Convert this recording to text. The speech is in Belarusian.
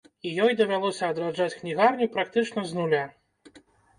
І ёй давялося адраджаць кнігарню практычна з нуля.